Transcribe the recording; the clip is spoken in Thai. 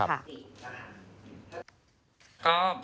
ไปเรียนใจเรื่องด่วนส่วนแบ่งของใคร